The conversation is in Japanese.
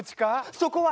そこは！